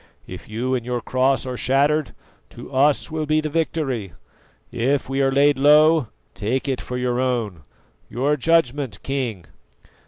If you and your cross are shattered, to us will be the victory; if we are laid low, take it for your own. Your judgment, King!"